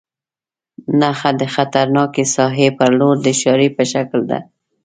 نښه د خطرناکې ساحې پر لور د اشارې په شکل ده.